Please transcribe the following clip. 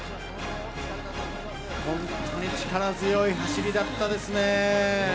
本当に力強い走りだったですね。